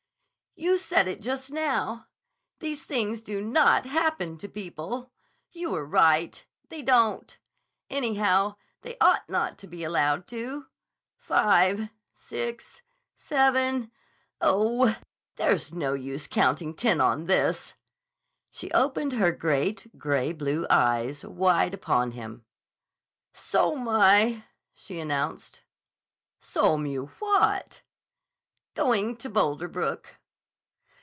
"You said it just now: 'These things do not happen to people.' You were right. They don't. Anyhow, they ought not to be allowed to. Five—six—seven—Oh, there's no use counting ten on this." She opened her great, gray blue eyes wide upon him. "So'm I," she announced. "So'm you what?" "Going to Boulder Brook."